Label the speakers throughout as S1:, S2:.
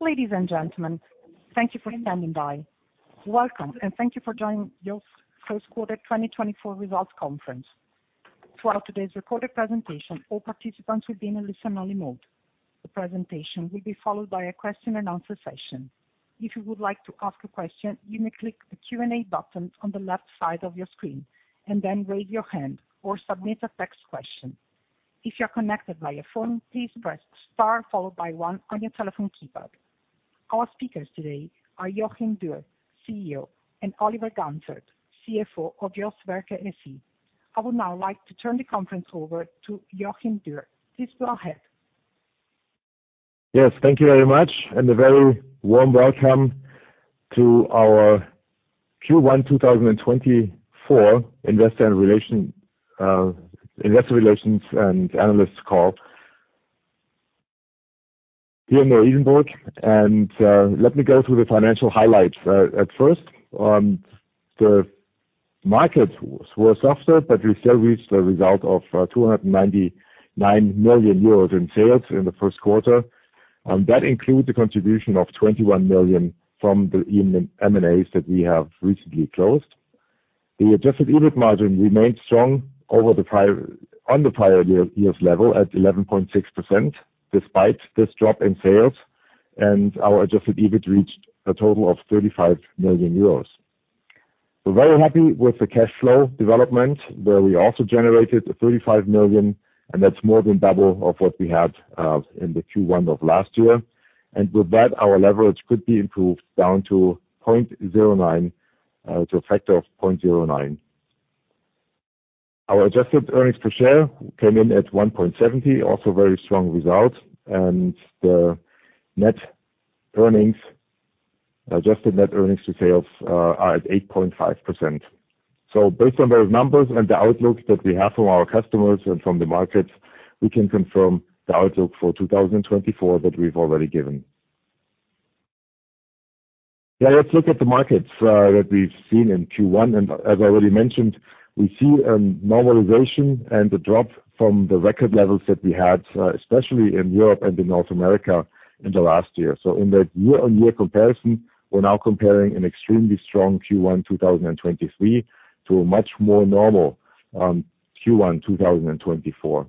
S1: Ladies and gentlemen, thank you for standing by. Welcome, and thank you for joining JOST first quarter 2024 results conference. Throughout today's recorded presentation, all participants will be in a listen only mode. The presentation will be followed by a question and answer session. If you would like to ask a question, you may click the Q&A button on the left side of your screen, and then raise your hand or submit a text question. If you're connected via phone, please press Star, followed by one on your telephone keypad. Our speakers today are Joachim Dürr, CEO, and Oliver Gantzert, CFO of JOST Werke SE. I would now like to turn the conference over to Joachim Dürr. Please go ahead.
S2: Yes, thank you very much, and a very warm welcome to our Q1 2024 investor relations and analysts call. Here in Neu-Isenburg, let me go through the financial highlights. At first, the markets were softer, but we still reached a result of 299 million euros in sales in the first quarter. And that includes the contribution of 21 million from the M&As that we have recently closed. The adjusted EBIT margin remained strong over the prior year on the prior year's level at 11.6%, despite this drop in sales, and our adjusted EBIT reached a total of 35 million euros. We're very happy with the cash flow development, where we also generated 35 million, and that's more than double of what we had in the Q1 of last year. And with that, our leverage could be improved down to 0.09%, to a factor of 0.09%. Our adjusted earnings per share came in at 1.70, also very strong result, and the net earnings, adjusted net earnings to sales, are at 8.5%. So based on those numbers and the outlook that we have from our customers and from the markets, we can confirm the outlook for 2024 that we've already given. Now, let's look at the markets that we've seen in Q1, and as I already mentioned, we see a normalization and the drop from the record levels that we had, especially in Europe and in North America in the last year. So in the year-on-year comparison, we're now comparing an extremely strong Q1, 2023 to a much more normal Q1, 2024.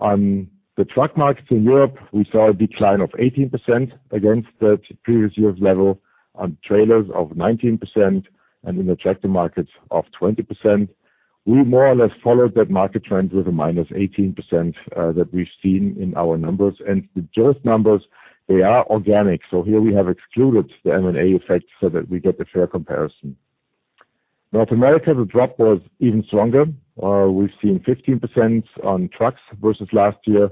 S2: On the truck markets in Europe, we saw a decline of 18% against the previous year's level, on trailers of 19%, and in the tractor markets of 20%. We more or less followed that market trend with a minus 18% that we've seen in our numbers. And the JOST numbers, they are organic, so here we have excluded the M&A effect so that we get a fair comparison. North America, the drop was even stronger. We've seen 15% on trucks versus last year,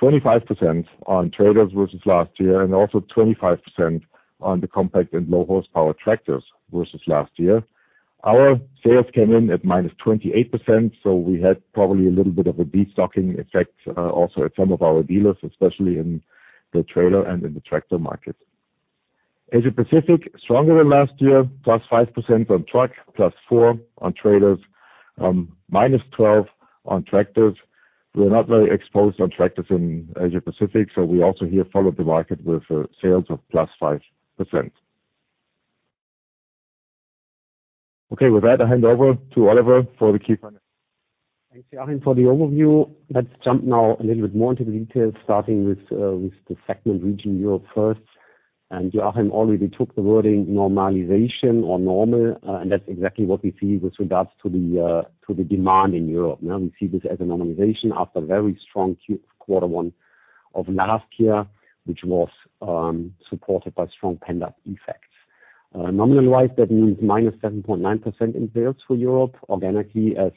S2: 25% on trailers versus last year, and also 25% on the compact and low horsepower tractors versus last year. Our sales came in at -28%, so we had probably a little bit of a destocking effect, also at some of our dealers, especially in the trailer and in the tractor market. Asia Pacific, stronger than last year, +5% on truck, +4% on trailers, -12% on tractors. We're not very exposed on tractors in Asia Pacific, so we also here followed the market with sales of +5%. Okay, with that, I hand over to Oliver for the key finance.
S3: Thanks, Joachim, for the overview. Let's jump now a little bit more into the details, starting with the segment region Europe first. And Joachim already took the wording normalization or normal, and that's exactly what we see with regards to the demand in Europe. Now, we see this as a normalization after a very strong quarter one of last year, which was supported by strong pent-up effects. Nominal-wise, that means minus 7.9% in sales for Europe, organically, as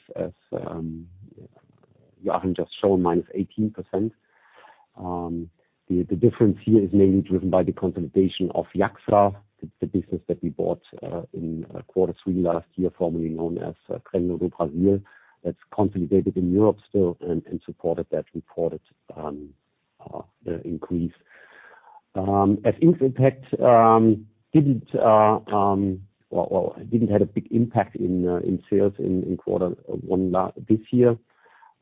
S3: Joachim just shown, minus 18%. The difference here is mainly driven by the consolidation of JACSA, it's the business that we bought in quarter three last year, formerly known as Crenlo do Brasil. That's consolidated in Europe still, and supported that reported increase. As impact didn't, well, well, didn't have a big impact in sales in quarter one this year.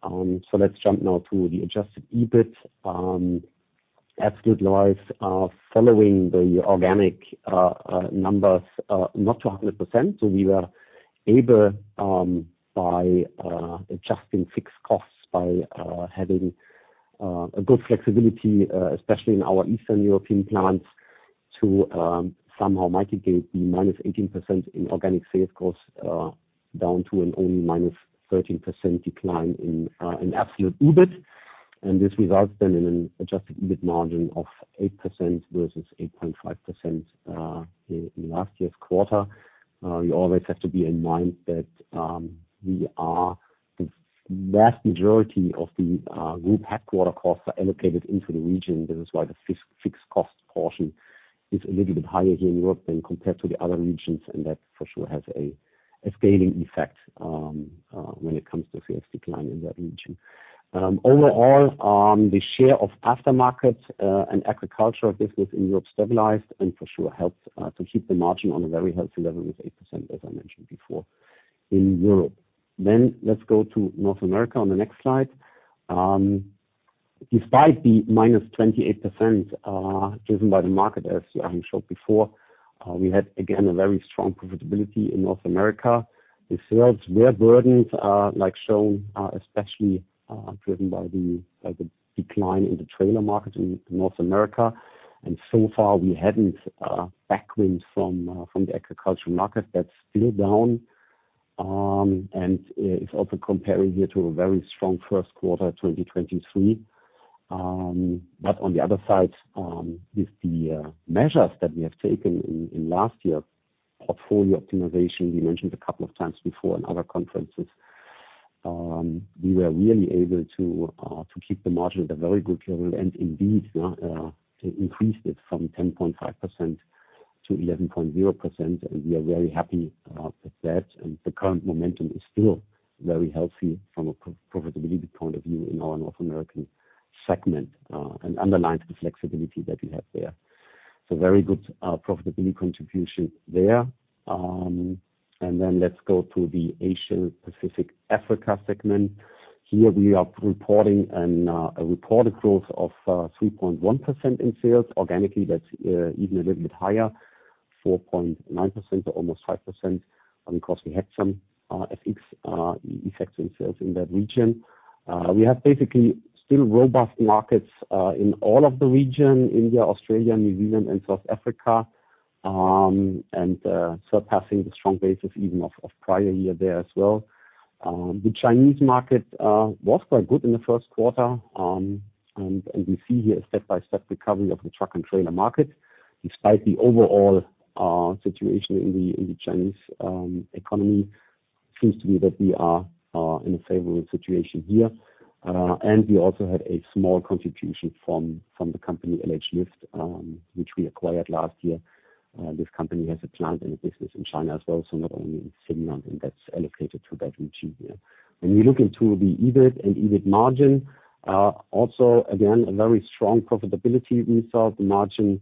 S3: So let's jump now to the adjusted EBIT. Absolute-wise, following the organic numbers, not to 100%. So we were able, by adjusting fixed costs, by having a good flexibility, especially in our Eastern European plants, to somehow mitigate the -18% in organic sales costs, down to an only -13% decline in absolute EBIT. And this results then in an adjusted EBIT margin of 8% versus 8.5% in last year's quarter. You always have to bear in mind that we are the vast majority of the group headquarters costs are allocated into the region. This is why the fixed cost portion is a little bit higher here in Europe than compared to the other regions, and that for sure has a scaling effect, when it comes to sales decline in that region. Overall, the share of aftermarket and agricultural business in Europe stabilized, and for sure helps to keep the margin on a very healthy level with 8%, as I mentioned before, in Europe. Then let's go to North America on the next slide. Despite the -28%, given by the market, as we showed before, we had, again, a very strong profitability in North America. The sales were burdened, like shown, especially driven by the decline in the trailer market in North America. So far, we haven't headwind from the agricultural market. That's still down, and it's also comparing here to a very strong first quarter 2023. But on the other side, with the measures that we have taken in last year, portfolio optimization, we mentioned a couple of times before in other conferences, we were really able to keep the margin at a very good level, and indeed, to increase it from 10.5%-11.0%. And we are very happy with that. And the current momentum is still very healthy from a profitability point of view in our North America segment, and underlines the flexibility that we have there. So very good profitability contribution there. And then let's go to the Asia Pacific Africa segment. Here, we are reporting a reported growth of 3.1% in sales. Organically, that's even a little bit higher, 4.9% or almost 5%, because we had some FX effects in sales in that region. We have basically still robust markets in all of the region, India, Australia, New Zealand, and South Africa, and surpassing the strong basis even of prior year there as well. The Chinese market was quite good in the first quarter. And we see here a step-by-step recovery of the truck and trailer market, despite the overall situation in the Chinese economy. Seems to be that we are in a favorable situation here. And we also had a small contribution from the company, LH Lift, which we acquired last year. This company has a plant and a business in China as well, so not only in Finland, and that's allocated to that region here. When we look into the EBIT and EBIT margin, also, again, a very strong profitability result. The margin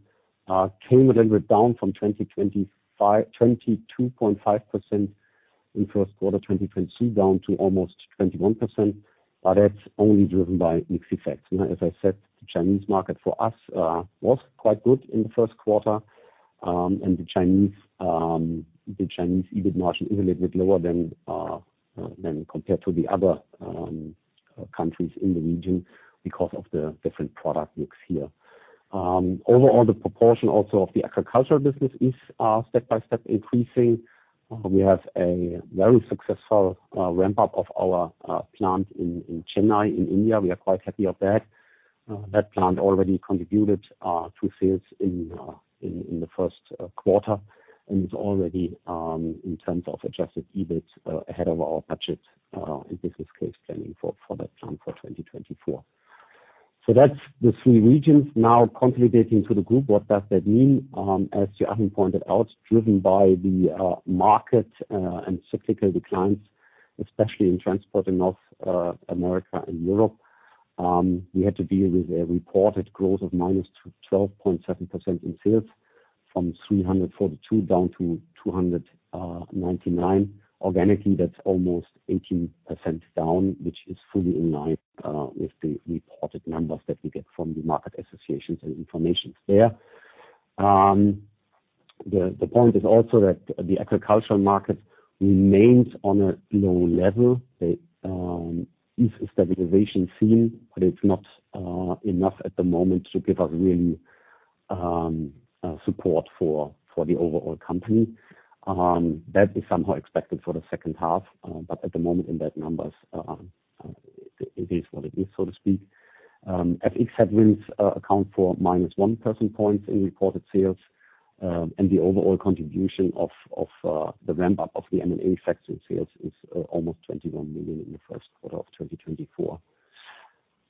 S3: came a little bit down from 25.2%, 22.5% in first quarter 2022, down to almost 21%, but that's only driven by mixed effects. Now, as I said, the Chinese market for us was quite good in the first quarter. And the Chinese EBIT margin is a little bit lower than compared to the other countries in the region because of the different product mix here. Overall, the proportion also of the agricultural business is step-by-step increasing. We have a very successful ramp-up of our plant in Chennai, in India. We are quite happy of that. That plant already contributed to sales in the first quarter, and it's already in terms of adjusted EBIT ahead of our budget and business case planning for that plant for 2024. So that's the three regions. Now consolidating to the group, what does that mean? As Joachim pointed out, driven by the market and cyclical declines, especially in transport in North America and Europe, we had to deal with a reported growth of -12.7% in sales, from 342 down to 299. Organically, that's almost 18% down, which is fully in line with the reported numbers that we get from the market associations and information there. The point is also that the agricultural market remains on a low level. Stabilization is seen, but it's not enough at the moment to give us really support for the overall company. That is somehow expected for the second half, but at the moment, in that numbers, it is what it is, so to speak. FX headwinds account for minus one percentage point in reported sales, and the overall contribution of the ramp-up of the M&A effect in sales is almost 21 million in the first quarter of 2024.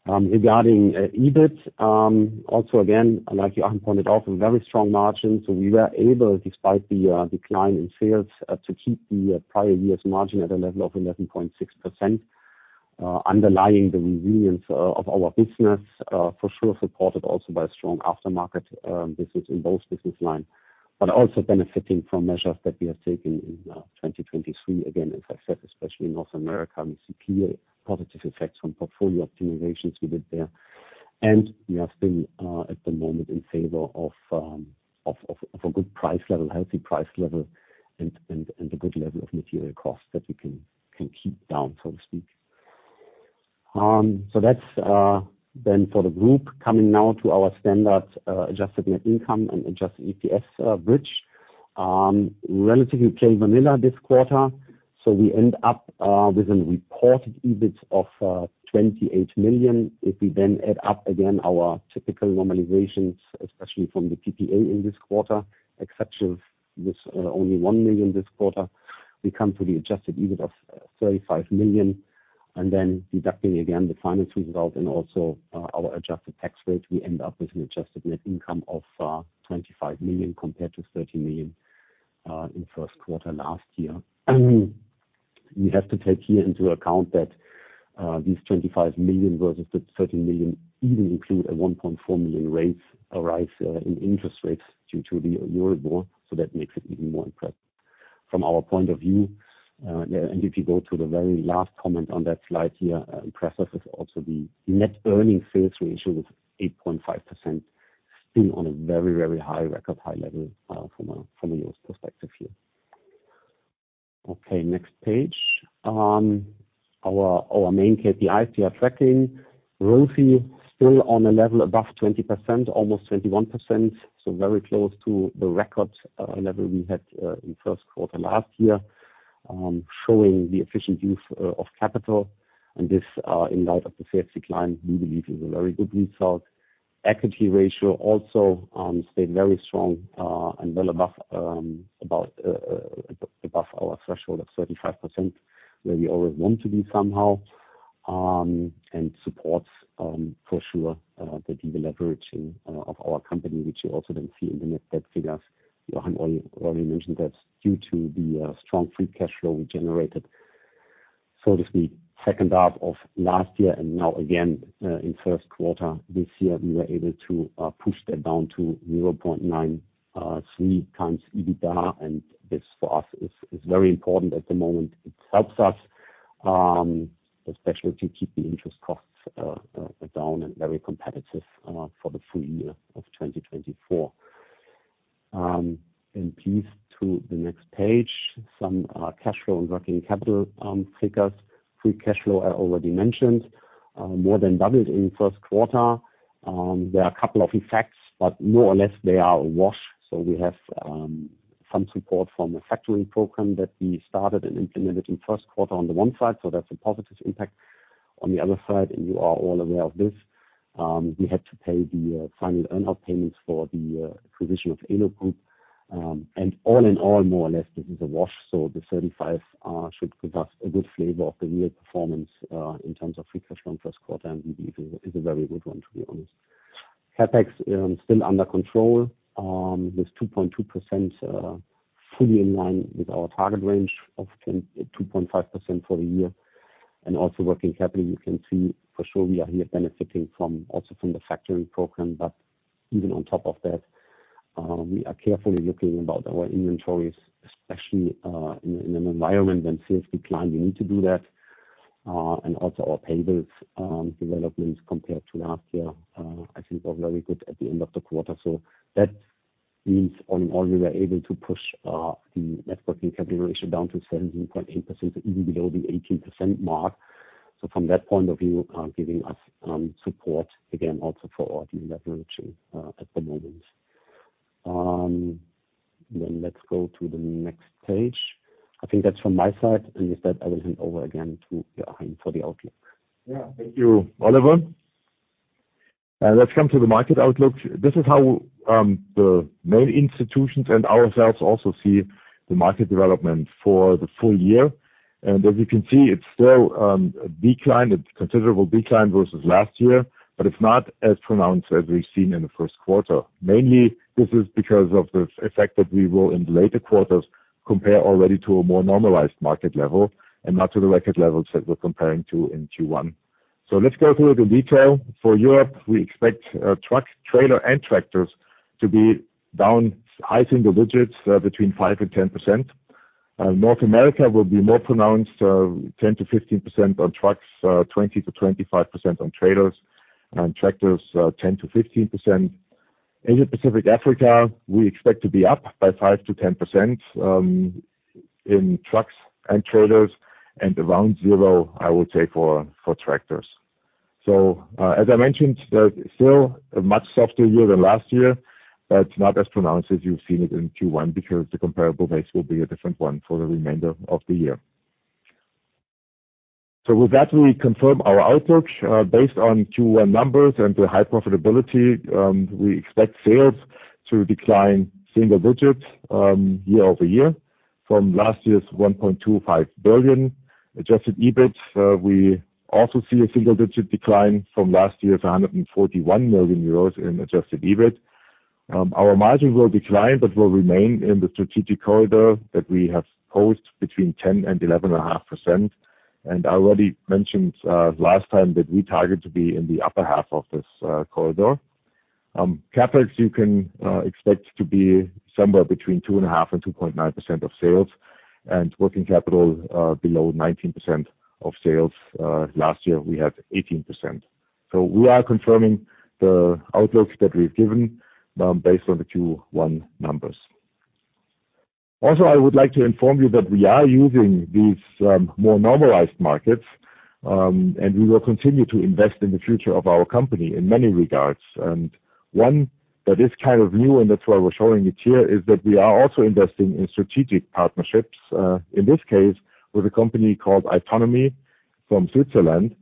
S3: Regarding EBIT, also again, like Joachim pointed out, a very strong margin, so we were able, despite the decline in sales, to keep the prior year's margin at a level of 11.6%, underlying the resilience of our business, for sure, supported also by strong aftermarket business in both business line, but also benefiting from measures that we have taken in 2023. Again, as I said, especially in North America, we see clear positive effects from portfolio optimizations we did there. And we have been at the moment in favor of a good price level, healthy price level, and a good level of material costs that we can keep down, so to speak. So that's then for the group. Coming now to our standard adjusted net income and adjusted EPS bridge. Relatively plain vanilla this quarter, so we end up with a reported EBIT of 28 million. If we then add up again our typical normalizations, especially from the PPA in this quarter, exception of this only 1 million this quarter, we come to the adjusted EBIT of 35 million, and then deducting again the financial result and also our adjusted tax rate, we end up with an adjusted net income of 25 million compared to 13 million in first quarter last year. We have to take here into account that these 25 million versus the 13 million even include a 1.4 million rates, a rise in interest rates due to the Eurobond, so that makes it even more impressive. From our point of view, and if you go to the very last comment on that slide here, impressive is also the net earning sales ratio of 8.5%, still on a very, very high, record high level, from a U.S. perspective here. Okay, next page. Our main KPIs we are tracking, ROCE still on a level above 20%, almost 21%, so very close to the record level we had in first quarter last year. Showing the efficient use of capital and this, in light of the sales decline, we believe is a very good result. Equity ratio also stayed very strong, and well above our threshold of 35%, where we always want to be somehow. And supports, for sure, the deleveraging of our company, which you also then see in the net debt figures. Joachim already mentioned that due to the strong free cash flow we generated, so to speak, second half of last year and now again in first quarter this year, we were able to push that down to 0.9x EBITDA. And this for us is very important at the moment. It helps us, especially to keep the interest costs down and very competitive for the full year of 2024. And please to the next page, some cash flow and working capital figures. Free cash flow I already mentioned more than doubled in first quarter. There are a couple of effects, but more or less they are a wash, so we have some support from a factoring program that we started and implemented in first quarter on the one side, so that's a positive impact. On the other side, and you are all aware of this, we had to pay the final earnout payments for the acquisition of Ålö Group. And all in all, more or less, this is a wash, so the 35 should give us a good flavor of the real performance in terms of free cash flow in first quarter, and we believe is a, is a very good one, to be honest. CapEx still under control with 2.2%, fully in line with our target range of 2%-2.5% for the year. Also working capital, you can see for sure we are here benefiting from, also from the factoring program. But even on top of that, we are carefully looking about our inventories, especially, in an environment when sales decline, we need to do that. And also our payables, developments compared to last year, I think are very good at the end of the quarter. So that means all in all, we were able to push the net working capital ratio down to 17.8%, even below the 18% mark. So from that point of view, giving us support again, also for our deleveraging, at the moment. Then let's go to the next page. I think that's from my side, and with that, I will hand over again to Joachim for the outlook.
S2: Yeah, thank you, Oliver. Let's come to the market outlook. This is how the main institutions and ourselves also see the market development for the full year. As you can see, it's still a decline, a considerable decline versus last year, but it's not as pronounced as we've seen in the first quarter. Mainly, this is because of the effect that we will in the later quarters compare already to a more normalized market level, and not to the record levels that we're comparing to in Q1. Let's go through the detail. For Europe, we expect trucks, trailer and tractors to be down high single digits, between 5% and 10%. North America will be more pronounced, 10%-15% on trucks, 20%-25% on trailers, and tractors, 10%-15%. Asia, Pacific, Africa, we expect to be up by 5%-10%, in trucks and trailers, and around zero, I would say, for tractors. So, as I mentioned, there's still a much softer year than last year, but not as pronounced as you've seen it in Q1, because the comparable base will be a different one for the remainder of the year. So with that, we confirm our outlook, based on Q1 numbers and the high profitability, we expect sales to decline single digits, year-over-year from last year's 1.25 billion. Adjusted EBIT, we also see a single digit decline from last year's 141 million euros in adjusted EBIT. Our margins will decline, but will remain in the strategic corridor that we have posed between 10%-11.5%. I already mentioned last time that we target to be in the upper half of this corridor. CapEx, you can expect to be somewhere between 2.5% and 2.9% of sales, and working capital below 19% of sales. Last year, we had 18%. So we are confirming the outlooks that we've given based on the Q1 numbers. Also, I would like to inform you that we are using these more normalized markets, and we will continue to invest in the future of our company in many regards. One that is kind of new, and that's why we're showing it here, is that we are also investing in strategic partnerships, in this case with a company called Aitonomi from Switzerland.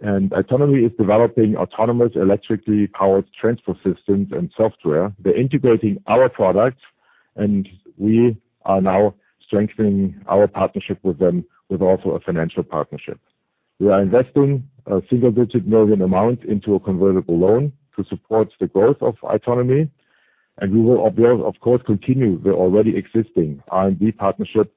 S2: And Aitonomi is developing autonomous, electrically powered transfer systems and software. They're integrating our products, and we are now strengthening our partnership with them with also a financial partnership. We are investing a single-digit million EUR amount into a convertible loan to support the growth of Aitonomi... We will observe, of course, continue the already existing R&D partnership,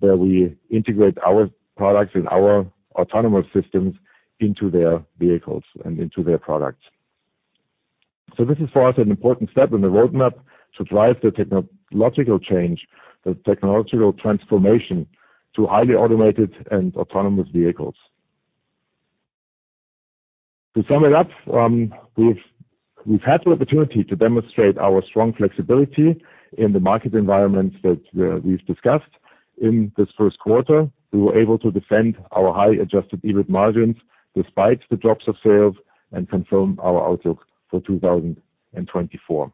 S2: where we integrate our products and our autonomous systems into their vehicles and into their products. So this is, for us, an important step in the roadmap to drive the technological change, the technological transformation to highly automated and autonomous vehicles. To sum it up, we've had the opportunity to demonstrate our strong flexibility in the market environments that we've discussed. In this first quarter, we were able to defend our high Adjusted EBIT margins despite the drops of sales, and confirm our outlook for 2024.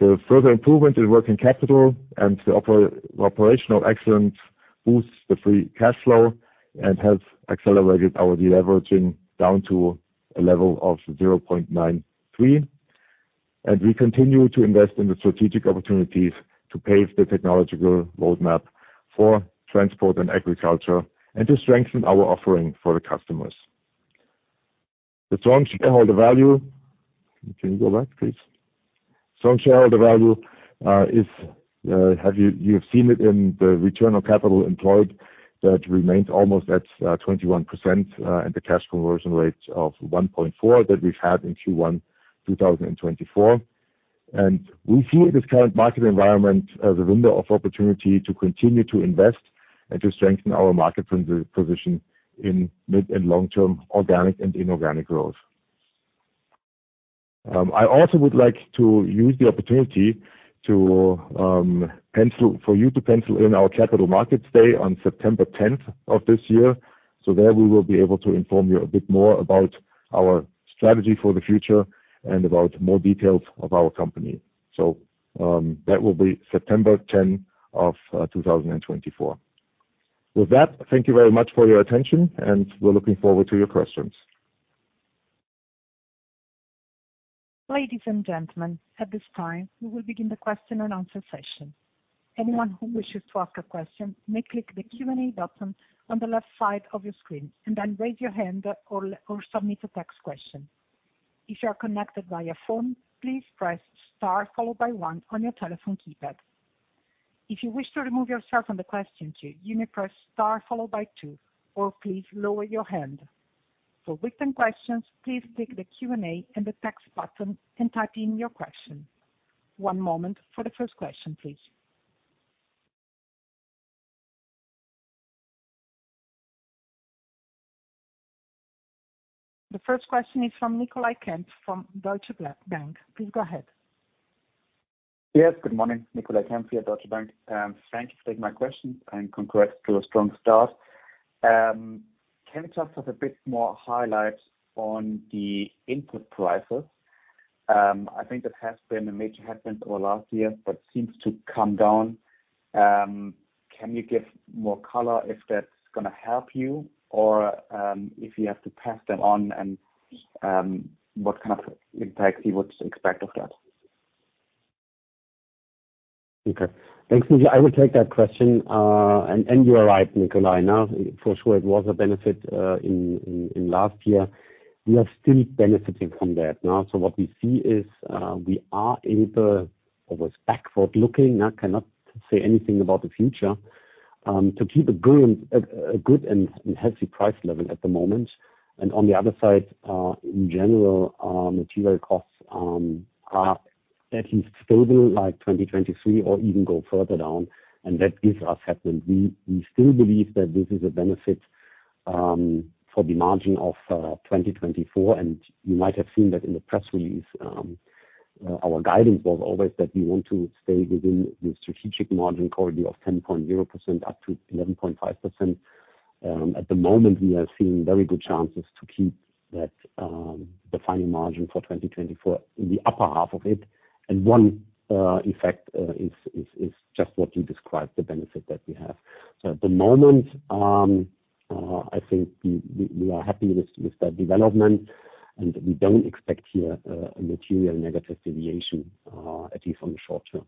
S2: The further improvement in working capital and the operational excellence boosts the free cash flow and has accelerated our deleveraging down to a level of 0.93. We continue to invest in the strategic opportunities to pave the technological roadmap for transport and agriculture, and to strengthen our offering for the customers. The strong shareholder value— Can you go back, please? Strong shareholder value, is, you've seen it in the return on capital employed, that remains almost at 21%, and the cash conversion rate of 1.4 that we've had in Q1 2024. We see this current market environment as a window of opportunity to continue to invest and to strengthen our market position in mid- and long-term organic and inorganic growth. I also would like to use the opportunity to pencil in for you to pencil in our Capital Markets Day on September 10 of this year. So there, we will be able to inform you a bit more about our strategy for the future and about more details of our company. So, that will be September 10, 2024. With that, thank you very much for your attention, and we're looking forward to your questions.
S1: Ladies and gentlemen, at this time, we will begin the question and answer session. Anyone who wishes to ask a question, may click the Q&A button on the left side of your screen, and then raise your hand or, or submit a text question. If you are connected via phone, please press star followed by one on your telephone keypad. If you wish to remove yourself from the question queue, you may press star followed by two, or please lower your hand. For written questions, please click the Q&A in the Text button and type in your question. One moment for the first question, please. The first question is from Nicolai Kempf from Deutsche Bank. Please go ahead.
S4: Yes, good morning, Nicolai Kempf here, Deutsche Bank. Thank you for taking my question, and congrats to a strong start. Can you tell us a bit more highlights on the input prices? I think that has been a major happen over last year, but seems to come down. Can you give more color if that's gonna help you, or, if you have to pass them on, and, what kind of impact you would expect of that?
S3: Okay. Thanks, Nikolai. I will take that question. And you are right, Nicolai. Now, for sure, it was a benefit in last year. We are still benefiting from that now. So what we see is we are able, always backward-looking, I cannot say anything about the future, to keep a good and healthy price level at the moment. And on the other side, in general, our material costs are at least stable, like 2023, or even go further down, and that gives us headroom. We still believe that this is a benefit for the margin of 2024. And you might have seen that in the press release. Our guidance was always that we want to stay within the strategic margin corridor of 10.0%-11.5%. At the moment, we are seeing very good chances to keep that, the final margin for 2024 in the upper half of it. And one effect is just what you described, the benefit that we have. So at the moment, I think we are happy with that development, and we don't expect here a material negative deviation, at least on the short term.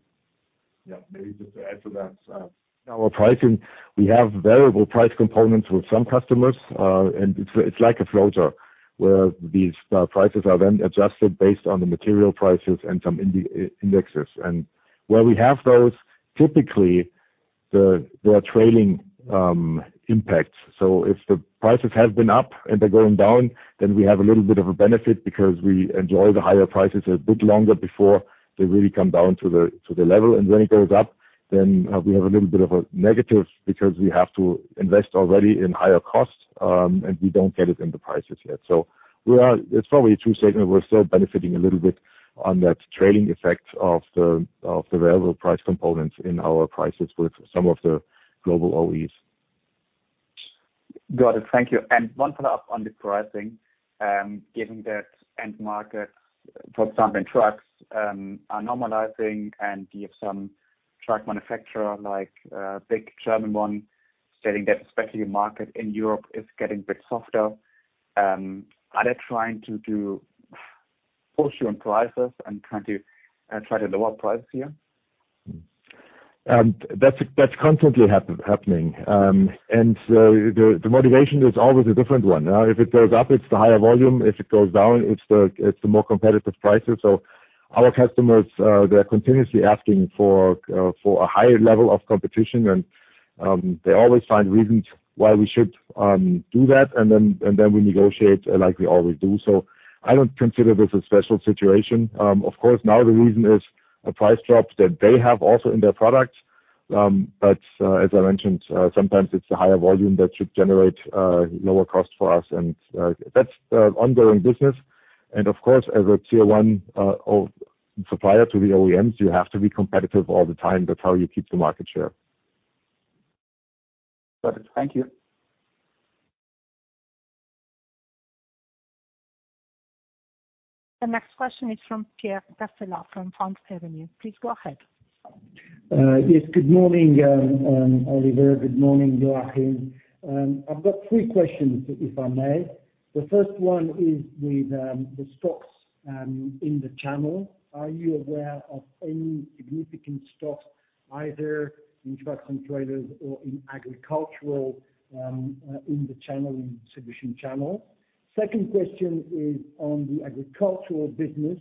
S2: Yeah, maybe just to add to that. Our pricing, we have variable price components with some customers. And it's like a floater, where these prices are then adjusted based on the material prices and some indexes. And where we have those, typically, there are trailing impacts. So if the prices have been up and they're going down, then we have a little bit of a benefit because we enjoy the higher prices a bit longer before they really come down to the level. And when it goes up, then we have a little bit of a negative, because we have to invest already in higher costs, and we don't get it in the prices yet. So we are. It's probably true to say that we're still benefiting a little bit on that trailing effect of the variable price components in our prices with some of the global OEs.
S4: Got it. Thank you. One follow-up on the pricing. Given that end markets, for example, in trucks, are normalizing, and you have some truck manufacturer, like, big German one, saying that especially the market in Europe is getting a bit softer, are they trying to push you on prices and trying to lower prices here?
S2: And that's constantly happening. And the motivation is always a different one. If it goes up, it's the higher volume. If it goes down, it's the more competitive prices. So our customers, they're continuously asking for a higher level of competition, and they always find reasons why we should do that, and then we negotiate like we always do. So I don't consider this a special situation. Of course, now the reason is a price drop that they have also in their product. But as I mentioned, sometimes it's the higher volume that should generate lower cost for us, and that's the ongoing business. And of course, as a tier one supplier to the OEMs, you have to be competitive all the time. That's how you keep the market share.
S3: Got it. Thank you.
S1: The next question is from Pierre Cassella from Cazenove. Please go ahead.
S5: Yes. Good morning, Oliver. Good morning, Joachim. I've got three questions, if I may. The first one is with the stocks in the channel. Are you aware of any significant stocks, either in trucks and trailers or in agricultural in the channel, in solution channel? Second question is on the agricultural business.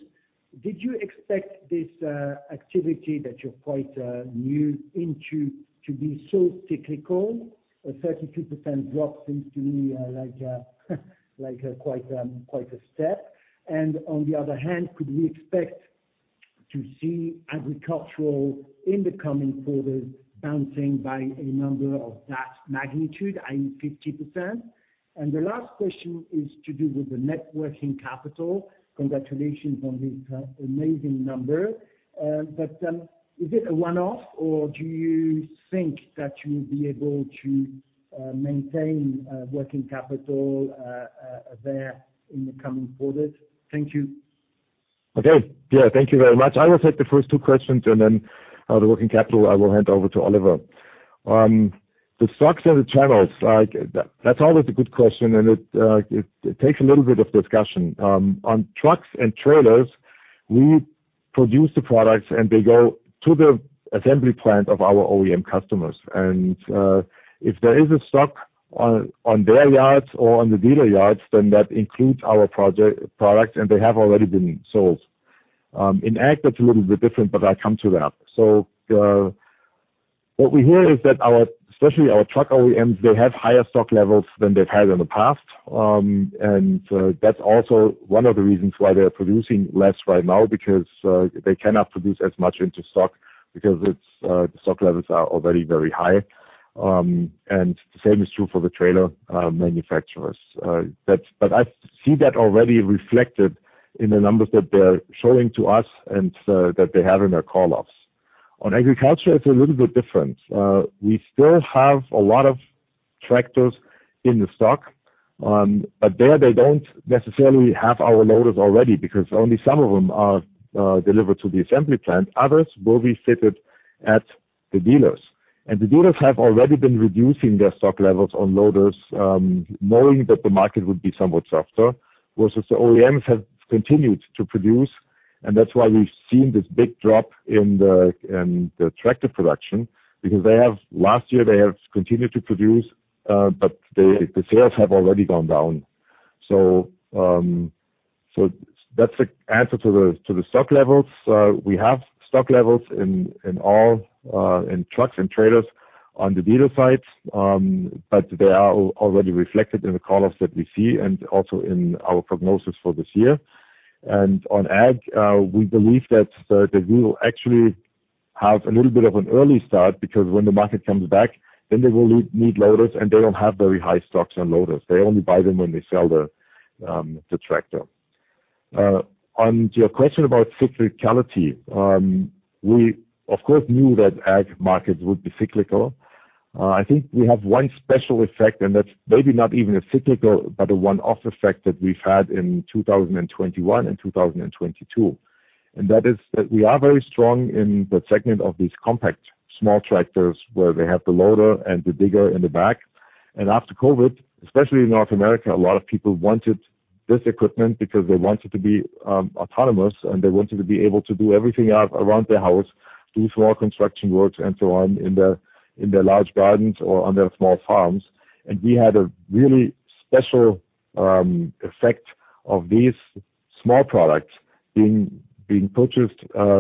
S5: Did you expect this activity that you're quite new into to be so cyclical? A 32% drop seems to me like quite a step. And on the other hand, could we expect to see agricultural in the coming quarters bouncing by a number of that magnitude, and 50%? And the last question is to do with the net working capital. Congratulations on this amazing number. But, is it a one-off, or do you think that you will be able to maintain there in the coming quarters? Thank you.
S2: Okay. Yeah, thank you very much. I will take the first two questions, and then, the working capital, I will hand over to Oliver. The stocks and the channels, like, that's always a good question, and it takes a little bit of discussion. On trucks and trailers, we produce the products, and they go to the assembly plant of our OEM customers. If there is a stock on their yards or on the dealer yards, then that includes our products, and they have already been sold. In ag, that's a little bit different, but I'll come to that. What we hear is that our, especially our truck OEMs, they have higher stock levels than they've had in the past. And that's also one of the reasons why they're producing less right now, because they cannot produce as much into stock, because it's the stock levels are already very high. And the same is true for the trailer manufacturers. That's but I see that already reflected in the numbers that they're showing to us and that they have in their call-offs. On agriculture, it's a little bit different. We still have a lot of tractors in the stock, but there, they don't necessarily have our loaders already, because only some of them are delivered to the assembly plant. Others will be fitted at the dealers. And the dealers have already been reducing their stock levels on loaders, knowing that the market would be somewhat softer. Versus the OEMs have continued to produce, and that's why we've seen this big drop in the tractor production, because last year they have continued to produce, but the sales have already gone down. So that's the answer to the stock levels. We have stock levels in all in trucks and trailers on the dealer side, but they are already reflected in the call-offs that we see and also in our prognosis for this year. And on ag, we believe that we will actually have a little bit of an early start, because when the market comes back, then they will need loaders, and they don't have very high stocks on loaders. They only buy them when they sell the tractor. On your question about cyclicality, we, of course, knew that ag markets would be cyclical. I think we have one special effect, and that's maybe not even a cyclical, but a one-off effect that we've had in 2021 and 2022. And that is that we are very strong in the segment of these compact, small tractors, where they have the loader and the digger in the back. And after COVID, especially in North America, a lot of people wanted this equipment because they wanted to be autonomous, and they wanted to be able to do everything out around their house, do small construction works and so on, in their large gardens or on their small farms. And we had a really special effect of these small products being purchased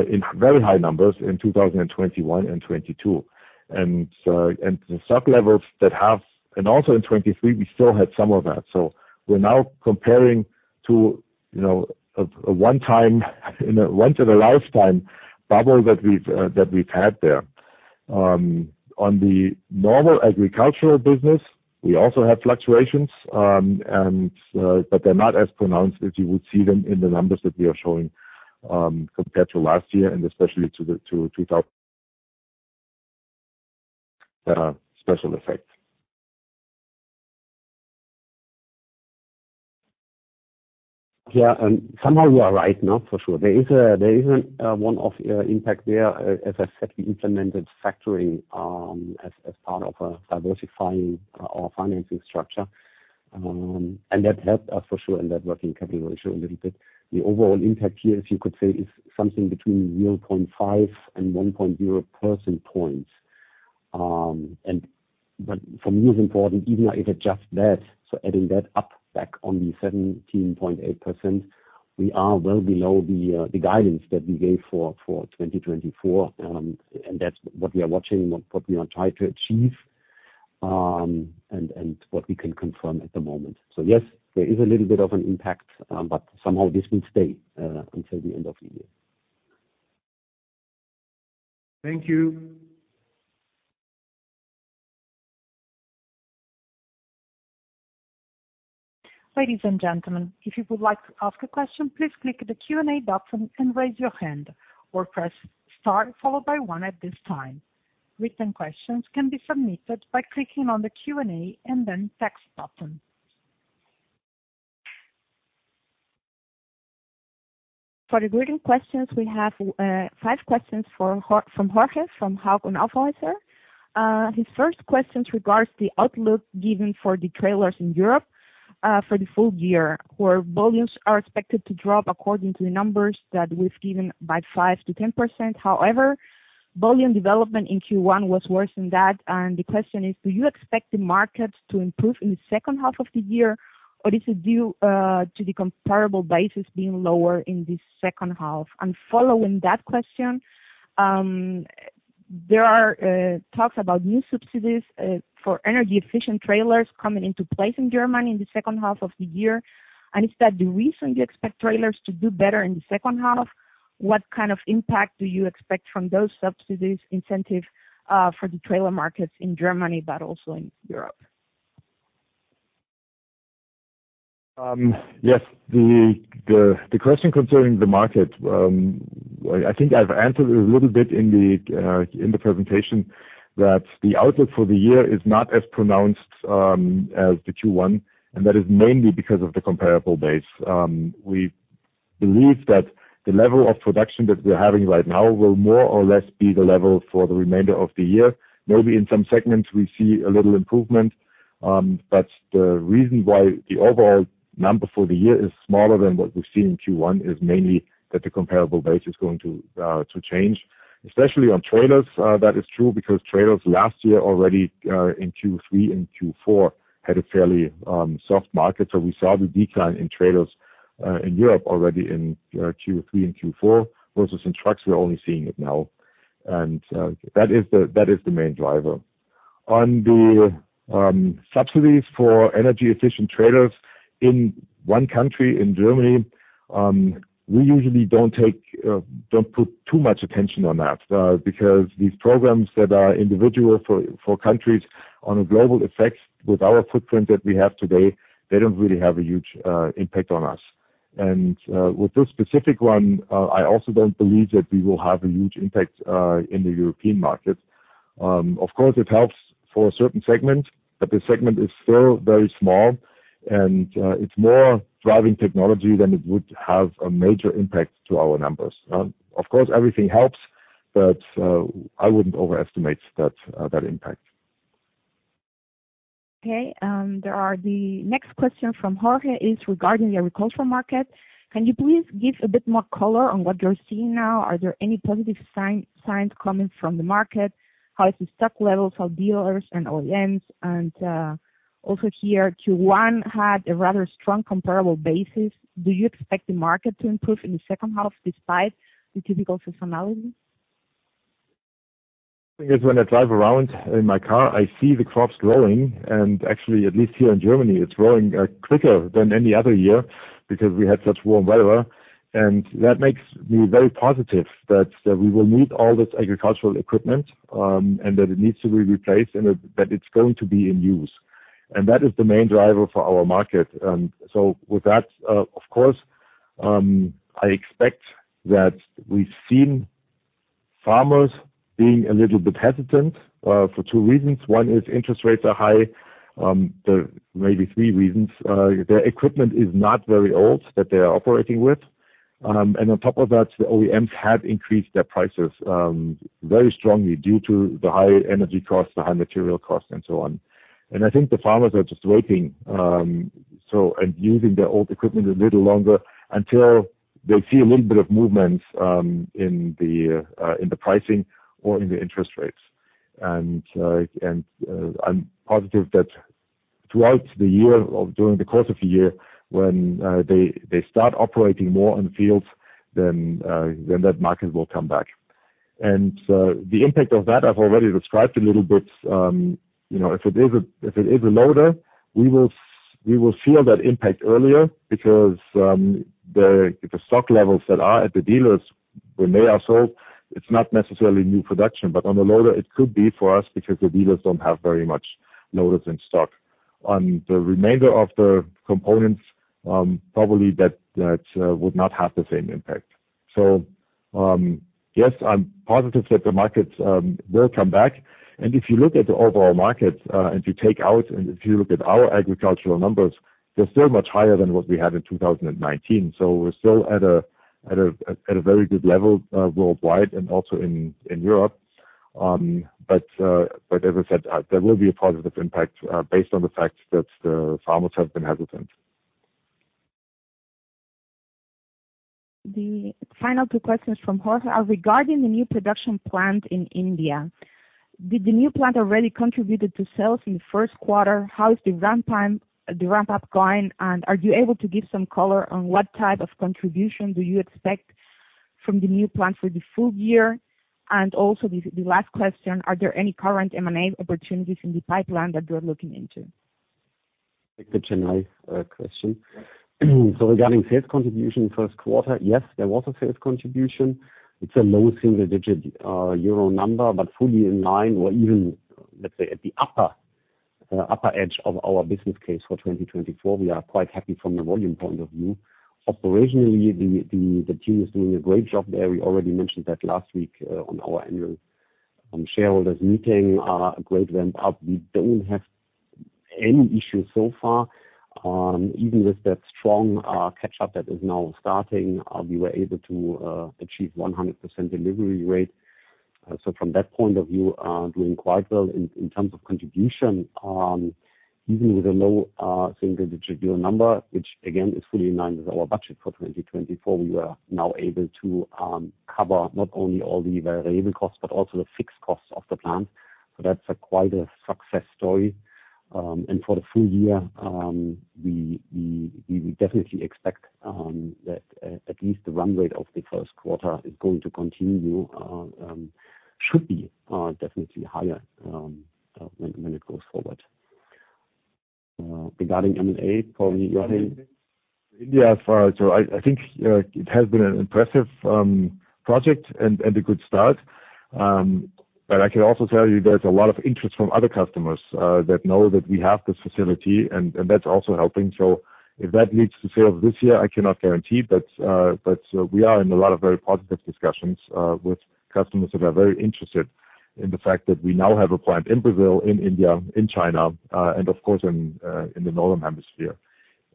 S2: in very high numbers in 2021 and 2022. And the stock levels that have, and also in 2023, we still had some of that. So we're now comparing to, you know, a one-time, you know, once in a lifetime bubble that we've had there. On the normal agricultural business, we also have fluctuations, but they're not as pronounced as you would see them in the numbers that we are showing, compared to last year and especially to the special effects.
S3: Yeah, and somehow you are right, no? For sure. There is an one-off impact there. As I said, we implemented factoring as part of diversifying our financing structure. And that helped us for sure in that working capital ratio a little bit. The overall impact here, if you could say, is something between 0.5 and 1.0 percentage points. And but for me, it's important, even if it just that, so adding that up back on the 17.8%, we are well below the, the guidance that we gave for, for 2024. And that's what we are watching, and what, what we are trying to achieve, and, and what we can confirm at the moment. So yes, there is a little bit of an impact, but somehow this will stay, until the end of the year.
S5: Thank you.
S1: Ladies and gentlemen, if you would like to ask a question, please click the Q&A button and raise your hand, or press star followed by one at this time. Written questions can be submitted by clicking on the Q&A and then text button. For the greeting questions we have, five questions for Jorge from Hauck Aufhäuser. His first question regards the outlook given for the trailers in Europe, for the full year, where volumes are expected to drop according to the numbers that we've given by 5%-10%. However, volume development in Q1 was worse than that, and the question is: Do you expect the market to improve in the second half of the year, or is it due to the comparable basis being lower in the second half? Following that question, there are talks about new subsidies for energy efficient trailers coming into place in Germany in the second half of the year. Is that the reason you expect trailers to do better in the second half? What kind of impact do you expect from those subsidies incentive for the trailer markets in Germany, but also in Europe?
S2: Yes, the question concerning the market, I think I've answered a little bit in the presentation, that the outlook for the year is not as pronounced as the Q1, and that is mainly because of the comparable base. We believe that the level of production that we're having right now will more or less be the level for the remainder of the year. Maybe in some segments we see a little improvement, but the reason why the overall number for the year is smaller than what we've seen in Q1 is mainly that the comparable base is going to change. Especially on trailers, that is true, because trailers last year already in Q3 and Q4 had a fairly soft market. So we saw the decline in trailers in Europe already in Q3 and Q4, versus in trucks, we're only seeing it now. That is the main driver. On the subsidies for energy efficient trailers in one country, in Germany, we usually don't put too much attention on that because these programs that are individual for countries on a global effect, with our footprint that we have today, they don't really have a huge impact on us. With this specific one, I also don't believe that we will have a huge impact in the European market. Of course, it helps for a certain segment, but the segment is still very small, and it's more driving technology than it would have a major impact to our numbers. Of course, everything helps, but I wouldn't overestimate that impact.
S1: Okay. The next question from Jorge is regarding the agricultural market. Can you please give a bit more color on what you're seeing now? Are there any positive signs coming from the market? How is the stock levels of dealers and OEMs? And also here, Q1 had a rather strong comparable basis. Do you expect the market to improve in the second half, despite the typical seasonality?
S2: It's when I drive around in my car, I see the crops growing, and actually, at least here in Germany, it's growing quicker than any other year because we had such warm weather. That makes me very positive that, that we will need all this agricultural equipment, and that it needs to be replaced, and that it's going to be in use. That is the main driver for our market. With that, of course, I expect that we've seen farmers being a little bit hesitant for two reasons. One is interest rates are high. The maybe three reasons, their equipment is not very old, that they are operating with. On top of that, the OEMs have increased their prices very strongly due to the higher energy costs, the higher material costs, and so on. And I think the farmers are just waiting, and using their old equipment a little longer, until they see a little bit of movement in the pricing or in the interest rates. And I'm positive that throughout the year or during the course of the year, when they start operating more on the fields, then that market will come back. And the impact of that, I've already described a little bit. You know, if it is a loader, we will feel that impact earlier because the stock levels that are at the dealers, when they are sold, it's not necessarily new production. But on the loader, it could be for us because the dealers don't have very much loaders in stock. On the remainder of the components, probably that would not have the same impact. So, yes, I'm positive that the markets will come back. And if you look at the overall markets, and if you take out and if you look at our agricultural numbers, they're still much higher than what we had in 2019. So we're still at a very good level worldwide and also in Europe. But as I said, there will be a positive impact based on the fact that the farmers have been hesitant.
S1: The final two questions from Jorge are regarding the new production plant in India. Did the new plant already contributed to sales in the first quarter? How is the ramp time, the ramp-up going, and are you able to give some color on what type of contribution do you expect from the new plant for the full year? And also the last question, are there any current M&A opportunities in the pipeline that you're looking into?
S3: Take the Chennai question. So regarding sales contribution first quarter, yes, there was a sales contribution. It's a low single-digit euro number, but fully in line or even, let's say, at the upper, upper edge of our business case for 2024. We are quite happy from the volume point of view. Operationally, the team is doing a great job there. We already mentioned that last week on our annual shareholders' meeting. A great ramp-up. We don't have any issues so far, even with that strong catch-up that is now starting, we were able to achieve 100% delivery rate. So from that point of view, doing quite well in terms of contribution, even with a low single-digit euro number, which again is fully in line with our budget for 2024. We are now able to cover not only all the variable costs, but also the fixed costs of the plant. So that's quite a success story. And for the full year, we would definitely expect that at least the run rate of the first quarter is going to continue, should be definitely higher when it goes forward. Regarding M&A, Joachim, go ahead.
S2: Yeah, so I, I think, it has been an impressive, project and, and a good start. But I can also tell you there's a lot of interest from other customers, that know that we have this facility, and, and that's also helping. So if that leads to sales this year, I cannot guarantee, but, but we are in a lot of very positive discussions, with customers that are very interested in the fact that we now have a plant in Brazil, in India, in China, and of course, in, in the Northern Hemisphere.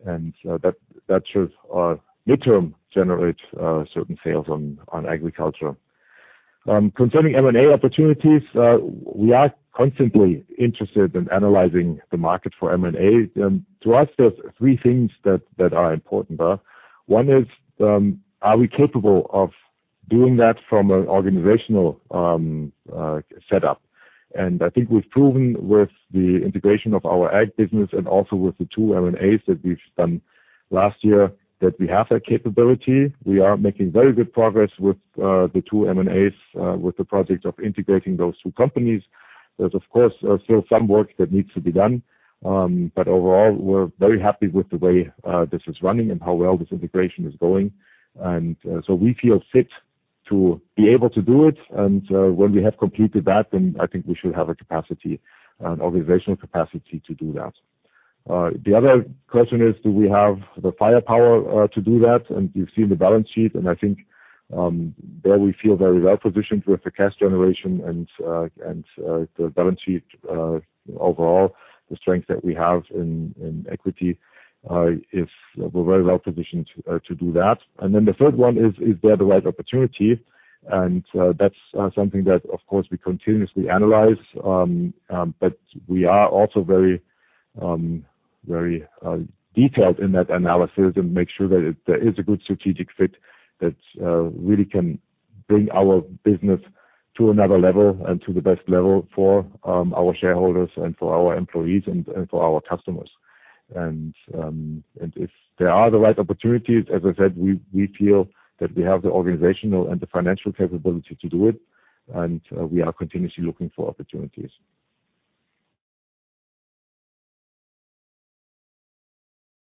S2: And, that, that should, midterm generate, certain sales on, on agriculture. Concerning M&A opportunities, we are constantly interested in analyzing the market for M&A. To us, there's three things that, that are important there. One is, are we capable of doing that from an organizational setup? And I think we've proven with the integration of our ag business and also with the two M&As that we've done last year, that we have that capability. We are making very good progress with the two M&As with the project of integrating those two companies. There's of course still some work that needs to be done, but overall, we're very happy with the way this is running and how well this integration is going. And so we feel fit to be able to do it, and when we have completed that, then I think we should have a capacity, an organizational capacity to do that. The other question is, do we have the firepower to do that? You've seen the balance sheet, and I think there we feel very well positioned with the cash generation and the balance sheet overall, the strength that we have in equity is we're very well positioned to do that. And then the third one is, is there the right opportunity? And that's something that of course we continuously analyze. But we are also very very detailed in that analysis and make sure that there is a good strategic fit that really can bring our business to another level and to the best level for our shareholders and for our employees and for our customers. And if there are the right opportunities, as I said, we feel that we have the organizational and the financial capability to do it, and we are continuously looking for opportunities.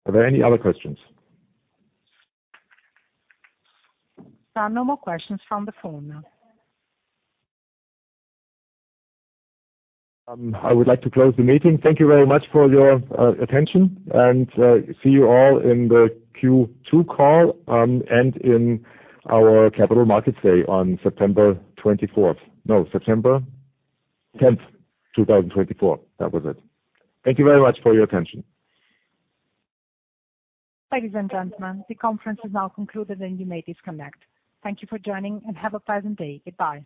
S2: Are there any other questions?
S1: There are no more questions from the phone.
S2: I would like to close the meeting. Thank you very much for your attention and see you all in the Q2 call, and in our capital markets day on September 24th. No, September 10th, 2024. That was it. Thank you very much for your attention.
S1: Ladies and gentlemen, the conference is now concluded, and you may disconnect. Thank you for joining, and have a pleasant day. Goodbye.